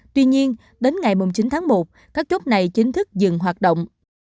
tuy nhiên đến ngày chín tháng một các chốt này chính thức dừng hoạt động